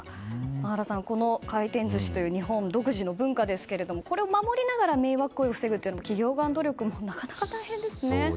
原さん、この回転寿司という日本独自の文化ですがこれを守りながら迷惑行為を防ぐという企業側の努力も大変ですね。